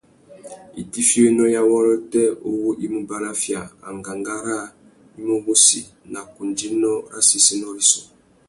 Itiffiyénô ya wôrêtê uwú i mú baraffia angangá râā i mú wussi nà kundzénô râ séssénô rissú.